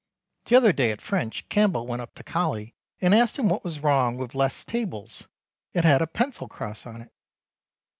The other day at French Campbell went up to Colly and asked him what was wrong with les tables it had a pencil cross on it.